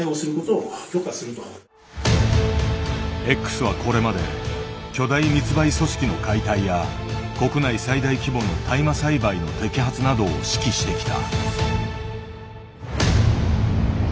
Ｘはこれまで巨大密売組織の解体や国内最大規模の大麻栽培の摘発などを指揮してきた。